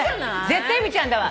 絶対由美ちゃんだわ。